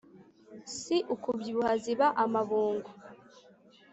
si ukubyibuha ziba amabungu.